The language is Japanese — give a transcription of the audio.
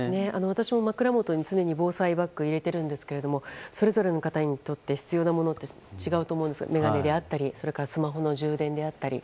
私も枕元に常に防災バッグを入れてるんですがそれぞれの方にとって必要なものは違うと思いますので眼鏡であったりスマホの充電であったり。